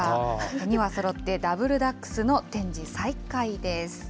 ２羽そろって、ダブル・ダックスの展示再開です。